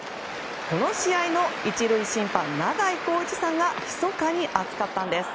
この試合の１塁審判長井功一さんがひそかに熱かったんです。